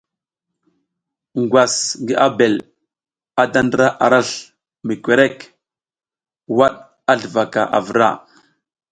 Ngwasa ngi abel a da ndra arasl mi korek, waɗ a sluvaka avura.